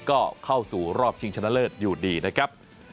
ก็เข้าสู่รอบชิงชนะเลิศอยู่ดีนะครับ